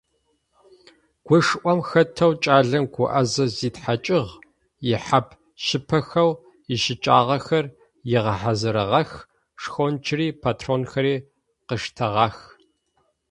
Гушӏом хэтэу кӏалэм гуӏэзэ зитхьакӏыгъ, ихьап-щыпыхэу ищыкӏагъэхэр ыгъэхьазырыгъэх, шхончыри патронхэри къыштагъэх.